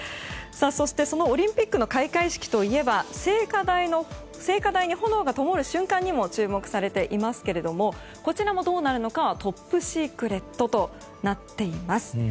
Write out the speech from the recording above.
そして、そのオリンピックの開会式といえば聖火台に炎がともる瞬間にも注目されていますけどもこちらもどうなるのかはトップシークレットとなっています。